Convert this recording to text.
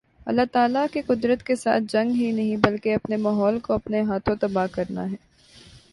اللہ تعالی کی قدرت کے ساتھ جنگ ہی نہیں بلکہ اپنے ماحول کو اپنے ہی ہاتھوں تباہ کرنا ہے